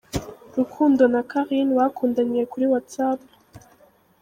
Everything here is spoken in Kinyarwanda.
Rukundo na Carine bakundaniye kuri Whatsapp.